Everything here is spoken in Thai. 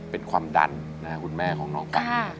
เป็นความดันคุณแม่ของน้องกัน